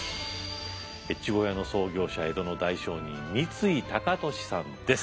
越後屋の創業者江戸の大商人三井高利さんです。